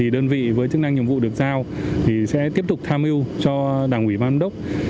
đơn vị với chức năng nhiệm vụ được giao sẽ tiếp tục tham mưu cho đảng ủy ban đốc